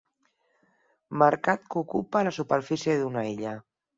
Mercat que ocupa la superfície d'una illa.